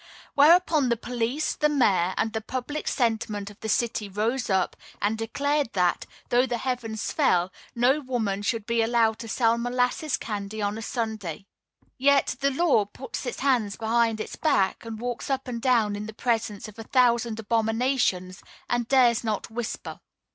Whereupon the police, the mayor and the public sentiment of the city rose up and declared that, though the heavens fell, no woman should be allowed to sell molasses candy on Sunday. Yet the law puts its hands behind its back, and walks up and down in the presence of a thousand abominations and dares not whisper.